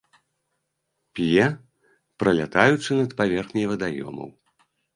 П'е, пралятаючы над паверхняй вадаёмаў.